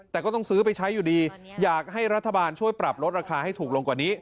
แต่ก็ต้องซื้อไปใช้อยู่ดีอยากให้รัฐบาลช่วยปรับลดราคาให้ถูกลงกว่านี้